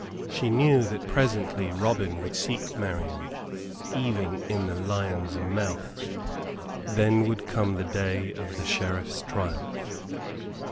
She knew that presently Robin would seek Marian, even in the lion's mouth. Then would come the day of the Sheriff's triumph.